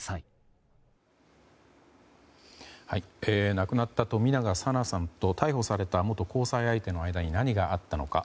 亡くなった冨永紗菜さんと逮捕された元交際相手の間に何があったのか。